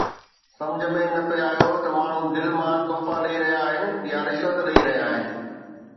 سمجهه ۾ نه پئي آيو ته ماڻهو دل مان تحفا ڏئي رهيا آهن يا رشوت ڏئي رهيا آهن